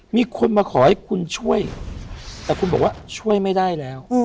มีคนมาขอให้คุณช่วยแต่คุณบอกว่าช่วยไม่ได้แล้ว